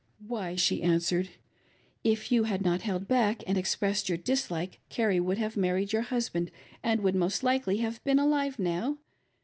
" Why," she answered, " if you had not held back and ex pressed your dislike, Carrie would have married your husband, and would most likely have been alive now.